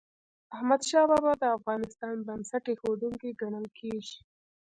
احمدشاه بابا د افغانستان بنسټ ايښودونکی ګڼل کېږي.